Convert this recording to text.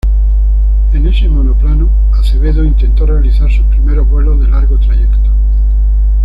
En ese monoplano, Acevedo intentó realizar sus primeros vuelos de largo trayecto.